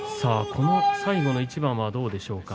この最後の一番はどうでしょうか。